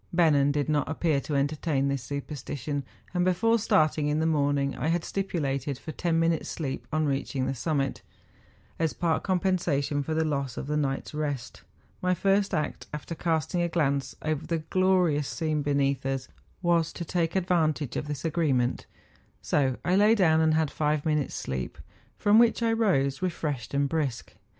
Bennen did not appear to entertain this superstition, and before starting in the morning I had stipulated for ten minutes' sleep on reaching the summit, as part compensation for the loss of the night's rest. My first act, after casting a glance over the glorious scene beneath us, was to take advantage of this '1 11K FIN S'l'E k A A k H O KN. 4 '* t « 'I THE FINSTERAAKHORN. 45 agreement; so I lay down and had five minutes' sleep, from which I rose refreslied and brisk.